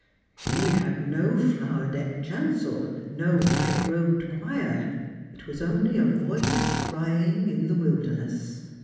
He had no flower decked chancel, no white robed choir. It was only r. voice crying in the city wilderness."